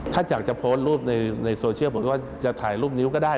ถ้าอยากจะโพสต์รูปในโซเชียลบอกว่าจะถ่ายรูปนิ้วก็ได้